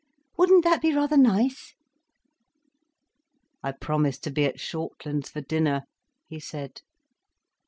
Wouldn't that be rather nice?" "I promised to be at Shortlands for dinner," he said.